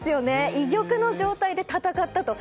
居玉の状態で戦ったと。